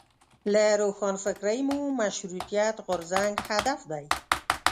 له روښانفکرۍ مو مشروطیت غورځنګ هدف دی.